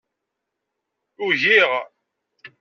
Ugiɣ.